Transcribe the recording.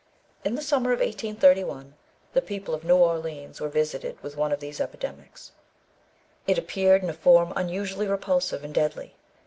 In the summer of 1831, the people of New Orleans were visited with one of these epidemics. It appeared in a form unusually repulsive and deadly.